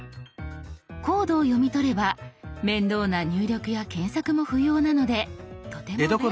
コードを読み取れば面倒な入力や検索も不要なのでとても便利ですよ。